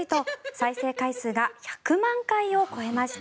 再生回数が１００万回を超えました。